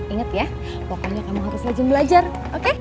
ingat ya pokoknya kamu harus rajin belajar oke